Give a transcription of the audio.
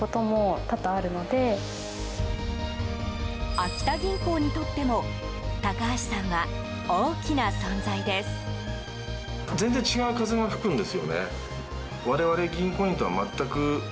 秋田銀行にとっても高橋さんは大きな存在です。